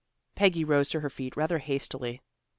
Peggy rose to her feet rather hastily.